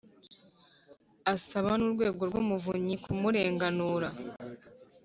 asaba n Urwego rw Umuvunyi kumurenganura